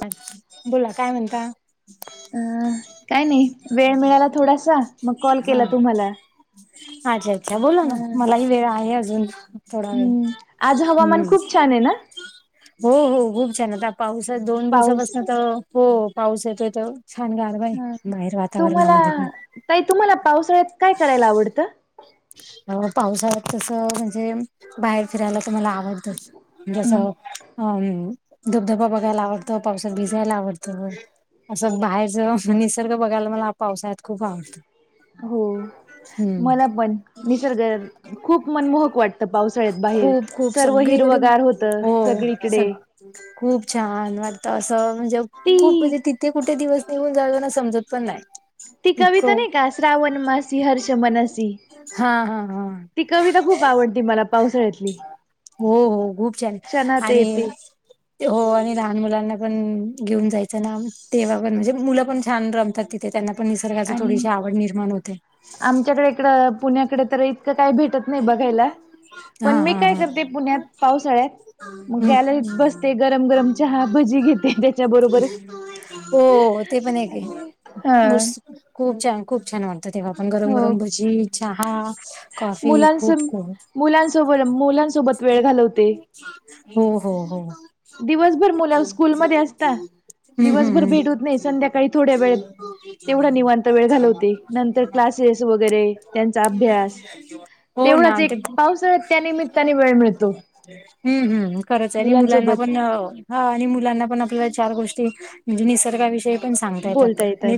[unintelligible] बोला काय म्हणता? अ काय नाही. वेळ मिळाला थोडासा मग कॉल हा केला तुम्हाला. अच्छा! अच्छा! बोला हा ना. मलाही वेळ आहे अजून. थोडा वेळ हम्म, आज हम्म हवामान खूप छान आहे ना? हो. हो. खूप छान ये. पाऊस दोन पाऊस दिवसापासन तर हो पाऊस येतोय तर छान गारवा आहे. हा बाहेर तुम्हाला वातावरणामध्ये पण ताई तुम्हाला पावसाळ्यात काय करायला आवडतं? पावसाळ्यात तसं म्हणजे बाहेर फिरायला तर मला आवडत. तस हम्म जसं अ म धबधबा बघायला आवडत, पावसात भिजायला आवडतं. असं बाहेरच निसर्ग बघायला मला पावसाळ्यात खूप आवडतं. हो, हम्म मला पण. निसर्ग, खूप मनमोहक वाटतं. पावसाळ्यात बाहेर. खूप खूप सर्व सगळीकडे हिरवगार होत हो सगळीकडे. सग खूप छान वाटत, असं म्हणजे ती खूप म्हणजे तिथे कुठे दिवस? निघून जाईल ना समजत पण नाही. ती कविता इतकं नाही का? श्रावण मासी, हर्ष मनसी हा हा हा ती कविता खूप आवडली मला पावसाळ्यातली. हो. हो. खूप छान क्षणात आणि येते हो आणि लहान मुलांना पण घेऊन जायचं ना, तेव्हा पण म्हणजे मुलं पण छान रमतात तिथ. ते त्यांना पण निसर्गाच आणि थोडीशी आवड निर्माण होते. आमच्याकडे इकडं पुण्याकडे तर, इतकं काय भेटत नाही. नाही बघायला, हा पण मी हा काय हा करते, पुण्यात पावसाळ्यात मग हम्म. गॅलरीत बसते. गरम गरम चहा, भजी घेते त्याच्याबरोबर हो ते पण हाय की आणि हा खूप छान, खूप छान वाटत तेव्हा, पण गरम हो गरम भजी चहा कॉफी. आस खूप खूप मुलांसोब मुलांसोबत वेळ घालवते. हो हो हो. दिवसभर मुल स्कूलमध्ये असतात, हम्म दिवसभर हम्म. भेट होत नाही, संध्याकाळी थोड्या वेळ तेवढा निवांत वेळ घालवते. नंतर क्लासेस वगैरे त्यांचा अभ्यास हो तेवढाच एक, पावसाळ्यात त्यानिमित्ताने वेळ मिळतो हू हू. खरंच आहे आणि मुलांना मुलांसोबत पण अ हा आणि मुलांना पण आपल्याला चार गोष्टी म्हणजे निसर्गाविषयी पण सांगता येतात आणि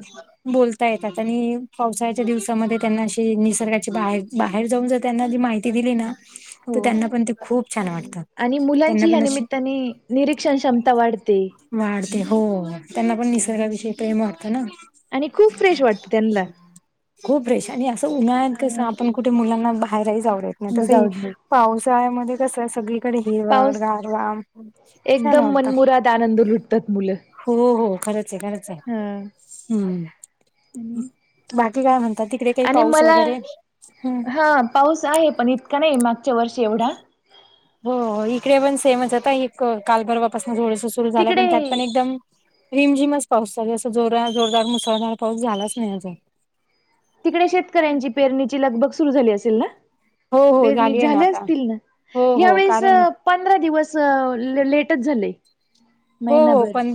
बोलता येतात आणि पावसाळ्याच्या दिवसामध्ये त्यांना अशी निसर्गाची बाहेर बाहेर जाऊन जर, त्यांना ती माहि ती दिली ना हो तर, त्यांना पण ते खूप छान वाटत. आणि मुलांची ह्या निमित्ताने निरीक्षण क्षमता वाढते. वाढते हो. त्यांना पण निसर्गाविषयी प्रेम वाटतं ना. आणि खूप फ्रेश वाटत त्यानला खूप फ्रेश आणि असं उन्हाळत कसं? हा आपण कुठे मुलांना बाहेर ही जाऊ देत नाही? तस जाऊ दे पावसाळ्यामध्ये कस सगळीकडे हिरवळ, पाऊस गारवा छान एकदम वाटतं. मनमुराद आनंद लुट हो हो. खरंच आहे खरंच हाय हम हम्म. बाकी काय म्हणता? तिकडे काही आणि पाऊस मला वगैरे हम्. हा पाऊस आहे, पण इतका नाही मागच्या वर्षी एवढा हो ओ इकडे पण सेमच, आता एक काल परवापासून थोडासा सुरू झालाय तिकडे पण, त्यात पण एकदम रिमझिमच पाऊस चालु ए, असं जोरा जोरदार मुसळधार पाऊस झालाच नाही आजुन तिकडे शेतकऱ्यांची पेरणीची लगबग सुरू झाली असेल ना. हो हो पेरणी झालीय ना झाल्या आता. असतील ना, हो हो यावेळीस अ कारण पंधरा दिवस अ लेटच झाले. हो हो महिनाभर पण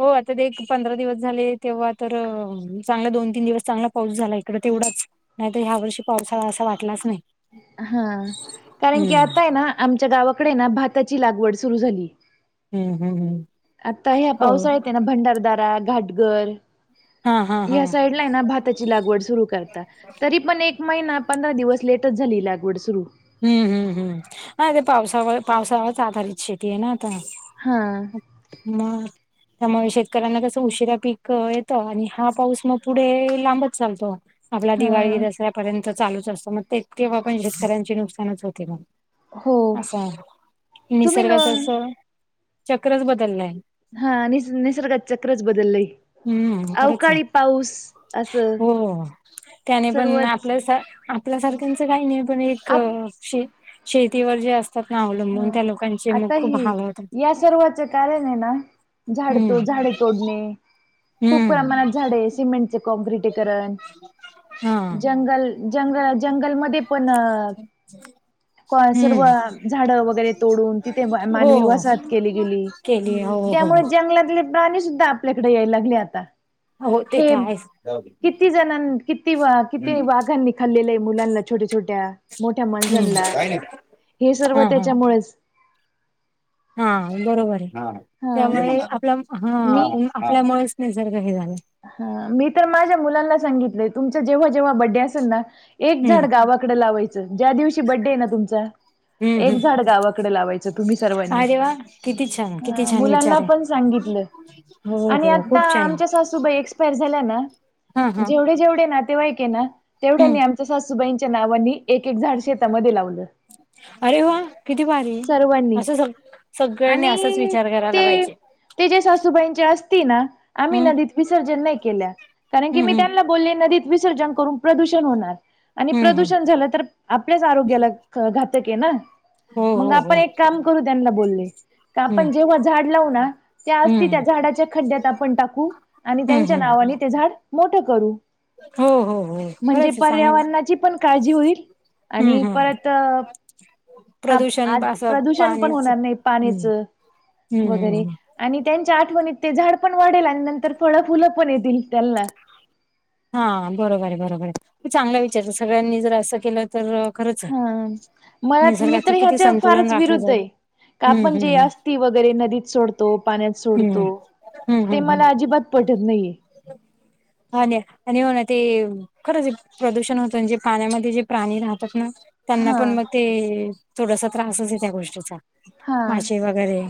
हो आता ते एक पंधरा दिवस झाले, तेव्हा तर अ चांगला दोन तीन दिवस चांगला पाऊस झाला, इकड तेवढाच नाहीतर ह्या वर्षी पावसाळा असा वाटलाच नाही. हां. कारण की हम्म आता आहे ना, आमच्या गावाकडे ना भाताची लागवड सुरू झाली. हम्म हम्म हम्म आता ह्या हो पावसाळ्यात आहे ना, भंडारदारा, घाटगर हा हा हा या साईडला एना भाताची लागवड सुरू करता, तरी पण एक महिना पंधरा दिवस लेटच, झाली लागवड सुरू. हम्म हम्म हम्म, हं ते पावसामुळं पावसा वरच आधारित शेती आहे ना आता. हां. मग त्यामुळे शेतकऱ्यांना कसं, उशिरा पीक कवा येतो आणि हा पाऊस मग पुढे लांबच चालतो, आपला दिवाळी हा. दसऱ्यापर्यंत. चालूच असतं मग ते तेव्हा, पण शेतकऱ्यांचे नुकसानच होते मग. हो असा आहे. तुम्ही न निसर्गाच अस चक्रच बदलय. हा, आणि निसर्गाच चक्रच बदलय. हम्म खरंच आहे अवकाळी पाऊस असं. हो त्याने पण सर्वच आपलं. आपल्यासारख्यांचं काही नाही, पण एक शे- शेतीवर जे असतं. हं.. आता हे हाल होतात या सर्वाच कारण आहे ना, झाड हम्म तो, झाडे तोडणे. खूप हम्म प्रमाणात झाडे, सिमेंटचे कॉँक्रिटीकरण हा जंगल. जंगल जंगलमध्ये पण सर्व. हम्म झाडं वगैरे तोडून. तिथे हो मानवी वसाहत केली गेली, केली हो हो त्यामुळें जं जंगलातले प्राणी सुद्धा, आपल्याकडे यायला लागले आता. हो ते तर हे आहेच किती जणां, किती किती वाघांनी. खाल्लेलं मुलांना छोट्या छोट्या, मोठ्या हम्म माणसांला हे सर्व हा तेच्यामुळेच. हां. बरोबर आहे, हा त्यामुळे आपला मी हा.. आपल्यामुळेच निसर्ग हे झाला. ह.. मी तर माझ्या मुलांना सांगितलेय. तुमचं जेव्हा जेव्हा बड्डे असेल ना, एक हम्म झाड गावाकडे लावायचं, ज्या दिवशी बड्डे आहे ना तुमचा. हम्म एक झाड हम्म गावाकडे लावायचं. तुम्ही सर्वांनी अरे वा किती छान किती छान मुलांना विचार आहे पण, सांगितल हो आणि हो आता खूप छान आहे आमच्या सासू बाई एक्सपायर झाल्या ना, हा हा जेवढे जेवढे नातेवाईक ये, तेवढ्या हम्म नी आमचं. तर सासुबाईंच्या नावानी, एक एक झाड शेतामध्ये लावलं. अरे वा! किती बारी. सर्वांनी असं सग- सगळ्यांनी असाच आणि विचार करायला ते पाहिजे. ते ज्या सासूबाईंच्या आस्ती ना, आम्ही हम्म नदीत विसर्जन नाही केल्या, कारण की हम्म मी हम्म त्यांना. बोले नदीत विसर्जन करून प्रदूषण होणार, आणि हम्म हम्म प्रदूषण झालं तर आपल्याच आरोग्याला, घातक आहे ना, हो मग हो आपण हो एक काम करू त्यांना बोलले. का हम्म आपण जेव्हा झाड लावू ना, त्या आस्ती त्या हम्म झाडाच्या खड्ड्यात आपण टाकू. आणि हम्म त्यांच्या हम्म नावाने ते झाड मोठं करू. हो हो हो म्हणजे, खरंच आहे, चांगलं पर्यावरणाची पण काळजी होईल. हम्म आणि हम्. परत आज प्रदूषण पण होणार नाही. हम्म पाण्याच हम्म हम्म वगैरे हम्म. आणि त्यांच्या आठवणीत ते झाड पण वाढेल, आणि नंतर फळ फुलं पण येतील त्यांना. हा बरोबर ये बरोबर ये चांगला विचार सगळ्यांनी जर असं केलं. तर खरंच आहे हं. मला मी तर निसर्गाचं किती हेच्या संतुलन फारच राखलं विरुद्ध जाईल ये. का हम्म आपण जे हम्म अस्ती वगैरे नदीत सोडतो. पाण्यात हम्म हम्म सोडतो. हम्म ते हम्म हम्म मला अजिबात, पटत नाहीये. हं.. आणि हो ना ते खरंच प्रदूषण होतं म्हणजे, पाण्यामध्ये जे प्राणी राहतात ना. त्यांना हा पण मग ते, थोडासा त्रासच आहे त्या गोष्टीचा. हा मासे वगैरे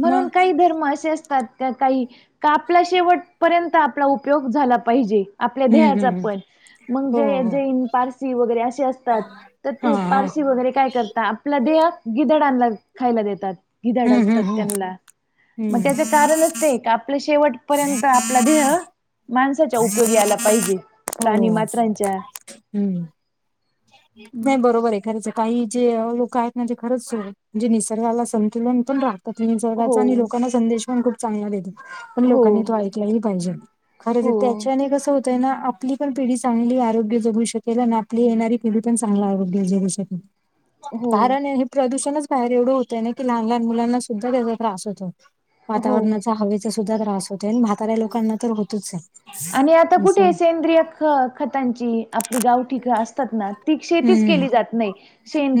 म्हणून मग काही, धर्म असे असतात. काही का, आपला शेवटपर्यंत आपला उपयोग झाला पाहिजे. आपल्या हम्म हम्म ध्येहाचा हम्म. पण. मग हो जे हो जैन पारसी वगैरे असे असतात, तर हा ते हा पारशी वगैरे काय करतात. आपला देह गिधडांना खायला देतात. गिधड हम्म हम्म असतात हम्म त्यांना, मग त्यांचे हम्म कारणच ते का, आपल शेवटपर्यंत आपला देह. माणसाच्या उपयोगी याला पाहिजे, प्राणी हो मात्रांच्या. हम्म नाही, बरोबर आहे. खरच काही जे लोक आहेत ना तेे खरंच सू-म्हणजे निसर्गाला समंतुलन पण रा त्यात हो निसर्गाचा आणि लोकांना संदेश पण खूप चांगला देतो. पण हो लोकांनी तो ऐकलाही पाहिजे, खरच हो त्याच्याने कसं होत तेन आपली पण पिढी चांगली आरोग्य जगू शकेल, आणि आपली येणारी पिढी पण चांगल आरोग्य जगू शकेन, हो कारण प्रदूषणच बाहेर एवढं होतय ना की, लहान -लहान मुलांना सुद्धा त्याचा त्रास होतो, हो वातावरणाचा, हवे चा सुद्धा त्रास होतोय आणि म्हाताऱ्या लोकांना तर होतोच आहे. आणि आता असं आहे कुठे सेंद्रिय ख- खतांची आपली गावठी असतात ना. ती शेतीच हम्म केली जात नाही,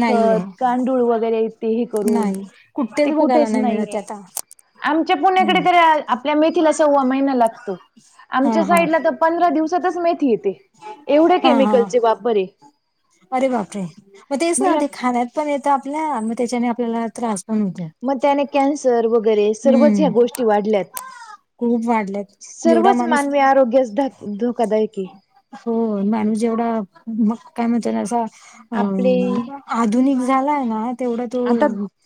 नाहीये गांडुळ वगैरे ते हे करून. नाही कुठेच ते बघायला नाही मिळतय नाहीये. आता. आमच्या पुण्याकडे हम्म तर आपल्या मेथीला सव्वा महिना लागतो. हा आमच्या हा साईडला तर पंधरा दिवसातच मेथी येते, एवढ्या हा हा केमिकलचे वापर आहे. अरे बापरे! मग तेच ना ते खाण्यात पण येतं आपल्या, मग त्याच्याने आपल्याला त्रास पण होतो. मग त्याने कॅन्सर वगैरे सर्वच ह्या हम्म गोष्टी वाढल्यात. खूप वाढलेत जेवढा सर्वच माणूस मानवी आरोग्यास ध -धोकादायक ये. हो माणूस जेवढा, मग काय म्हणता ना असा अ आपले [unintelligible] आधुनिक झालाय ना तेवढा तो आता [inaudible]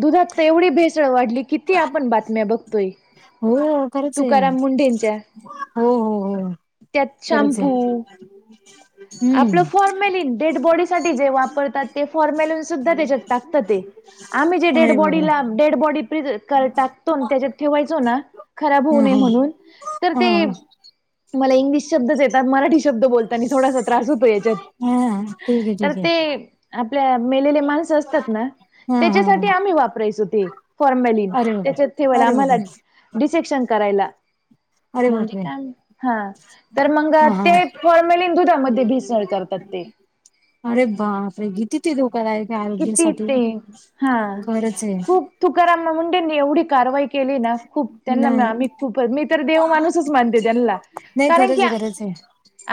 दुधात तर एवढी भेसळ वाढली, किती आपण बातम्या बघ तोय हो खरंच आहे तुकाराम मुंढेंच्या. हो -हो- त्यात हो शॅम्पू खरंच आहे. हम्म आपलं फॉर्मेलिन डेड बॉडी साठी जे वापरतात ते फॉर्मेलिन सुद्धा त्याच्यात टाकता ते. आम्ही जे डेड अरे बापरे बॉडीला -डेड बॉडी प्रीझ कल टाकतो ना त्याच्यात ठेवायचो ना खराब हा होऊ नये हा म्हणून तर हा ते मला इंग्लिश शब्दच येतात मराठी शब्द बोलताना थोडासा त्रास होतो याच्यात, हा हा ठीक आहे तर ठीक आहे ते आपल्या मेलेल्या माणसं असतात ना हा हा हा त्याच्यासाठी आम्ही वापराय यचो ते फॉर्म्यालिन अरे बापरे त्याच्यात ठेवायला अरे आम्हाला बापरे डिसेक्शन करायला. अरे म्हणजे बापरे काय म्हण- हा तर मग हा हा ते फाॅल [inaudible] अरे बापरे! किती ती धोकादायक आहे किती आरोग्यासाठी ते हा खरच आहे. खूप तुकाराम न मुंडेंनी एवढी कारवाई केली ना खूप त्यांना तर नाही, आम्ही खूप मी तर देव माणूसच मानते त्यांनला नाही कारण की खरंच आहे, खरंच आहे.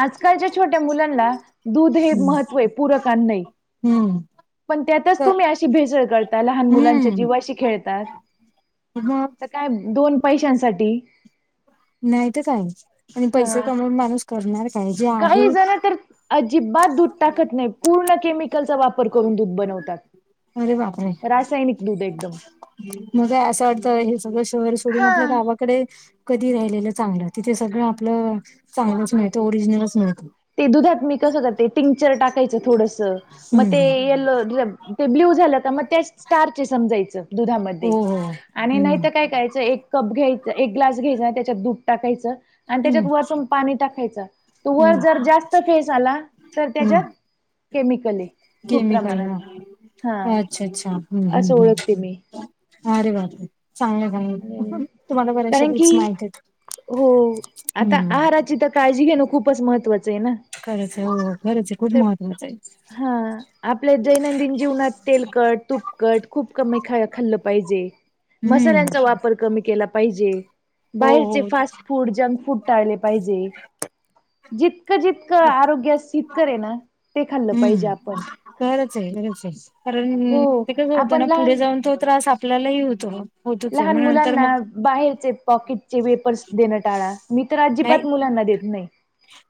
आजकालच्या छोट्या मुलांना दूध हे हम्म, महत्त्वय, पूरक अन्नये. हम्म. पण त्यातच क तुम्ही अशी भेसळ करता लहान मुलांच्या हम्म, जीवाशी खेळतात मग काय [unintelligible] दोन पैशांसाठी. नाहीत काय आणि पैसे हा कमवून माणूस करणार काय जे काही आहे जण [unintelligible] तर अजिबात दूध टाकत नाही पूर्ण केमिकलचा वापर करून दूध बनवतात. रासायनिक दूध एकदम. मगे असं वाटत, हे सगळं शहर सोडून आपल्या हा. गावा कडे कधी राहिलेलं चांगलं, तिथे सगळं आपलं चांगलंच मिळतं ओरिजिनलच मिळत. ते दुधात मी कसं करते, टिंक्चर टाकायचं थोडस मग ते हम्म, यलो ते ब्ल्यू झालं का मग त्या स्टार्च आहे समजायचं हो, दुधामध्ये, हो. आणि हम्म, नाहीतर काय करायचं एक कप घ्यायच -एक ग्लास घ्यायचा, त्याच्यात दूध टाकायचं आणि हम्म, त्याच्यात वरतून पाणी टाकायचं. तो हम्म, वर जर जास्त फेस आला तर हम्म. त्याच्यात केमिकलये. केमिकल ना, अच्छा -च्छा- च्छा हम्म असं -हम्म- ओळखते मी. हम्म अरे बापरे! चांगल -चांगल तुम्हाला बऱ्याचशा कारण की टिप्स माहित आहेत. हो आता हम्म आहाराची तर काळजी घेणं खूपच महत्त्वाचं आहे ना. खरंचये, हो खरंचये खूच तर महत्त्वाचं आहे. हा आपल्या दैनंदिन जीवनात तेलकट, तूपकट खूप कमी खा खाल्लं पाहिजे. हम्म. ला पाहिजे. हो हो बाहेरचे फास्ट फूड, जंक फूड टाळले पाहिजे. जितकं जितकं आरोग्यास हितकर आहे ना? ते खाल्लं पाहिजे हम्म आपण. खरंच आहे खरंच आहे. हो कारण ते कसं होतं आपण ना? लहान पुढे जाऊन तो त्रास आपल्यालाही होतो. होतोच आहे लहान मग नंतर मुलांना मग बाहेरचे पॉकेटचे वेफर्स देणं टाळा. मी तर नाही अजिबात मुलांना देत नाही.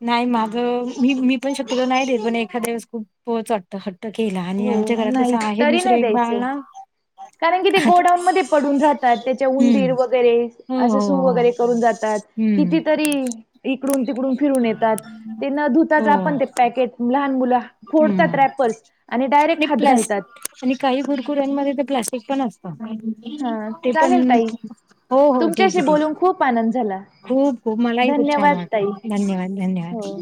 नाही माझं. मी मी पण शक्यतो नाही देत. पण एखाद्या वेळेस खूपच वाटतो हट्ट. ट्ट केला. आणि हो आमच्या घरात नाही कसं आहे एक तरी नाही दुसरं बाळ द्यायचे. ना? कारण की ते गोडाऊन मध्ये पडून राहतात. त्याच्यावर उंदीर हम्म वगैरे- हो असं हो सू हो वगैरे करून जातात. हम्म कितीतरी- इकडून तिकडून फिरून येतात. ते न धुताच हो आपण ते पॅकेट लहान मुलं- फोडतात हम्म रॅपर्स. आणि डायरेक्ट हात घालतात. आणि काही कुरकुर्यांमध्ये तर प्लास्टिक पण असत हा ते चालेल पण- ताई हो हो ठीक तुमच्याशी आहे ठीक बोलून खूप आनंद झाला. खूप खूप. मलाही खूप छान धन्यवाद वाटलं. ताई धन्यवाद धन्यवाद. हो